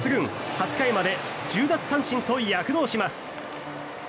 ８回まで１０奪三振と躍動します。